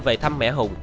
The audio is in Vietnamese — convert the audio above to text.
về thăm mẹ hùng